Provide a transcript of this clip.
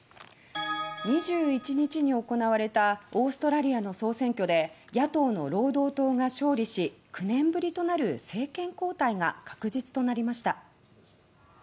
２１日に行われたオーストラリアの総選挙で野党の労働党が勝利し９年ぶりとなる政権交代が確実となりました。